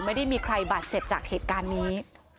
ไม่ได้มีใครบาดเจ็บจากเหตุการณ์นี้